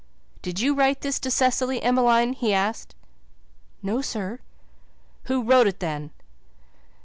"Did you write this to Cecily, Emmeline?" he asked. "No, sir." "Who wrote it then?"